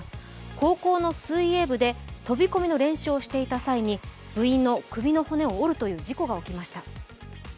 高校の水泳部で飛び込みの練習をしていた際に部員の首の骨を折るという事故が起きました。